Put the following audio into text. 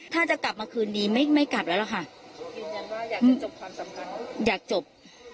ถ้าจะกลับมาคืนนี้ไม่ไม่กลับแล้วหรอกค่ะอยากจบ